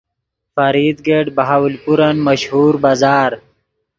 فرید گیٹ بہاولپورن مشہور بازار